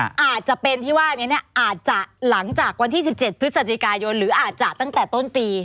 อาจจะเป็นที่ว่านี้เนี่ยอาจจะหลังจากวันที่๑๗พฤศจิกายนหรืออาจจะตั้งแต่ต้นปี